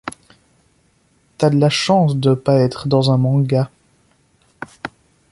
T'as de la chance de pas être dans un manga.